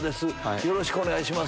よろしくお願いします。